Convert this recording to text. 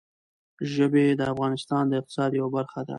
ژبې د افغانستان د اقتصاد یوه برخه ده.